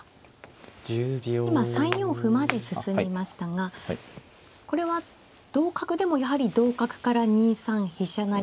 今３四歩まで進みましたがこれは同角でもやはり同角から２三飛車成が。